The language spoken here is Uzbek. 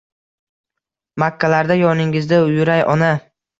Makkalarda yoningizda yuray ona!